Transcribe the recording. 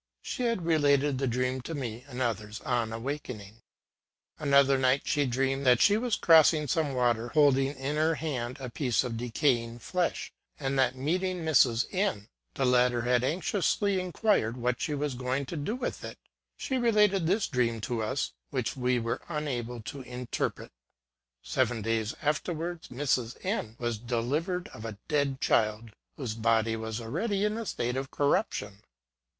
She had related the dream to me and others on awaking. Another PROPHETIC DREAMS. 83 night she dreamt that she was crossing some water, holding in her hand a piece of decaying flesh, and that, meeting Mrs. N , the latter had anxiously inquired what she was going to do with it (she related this dream to us, which we were unable to interpret) : seven days afterwards Mrs. N was delivered of a dead child, whose body was already in a state of corruption.